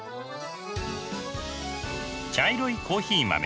茶色いコーヒー豆。